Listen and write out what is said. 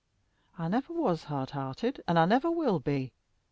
"I never was hard hearted, and I never will be.